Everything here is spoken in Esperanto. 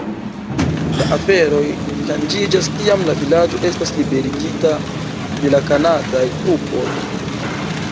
La aferoj ŝanĝiĝas kiam la vilaĝo estas liberigita de la kanadaj trupoj.